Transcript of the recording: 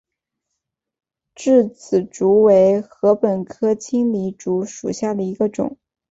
稚子竹为禾本科青篱竹属下的一个种。